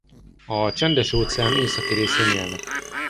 A Csendes-óceán északi részén élnek.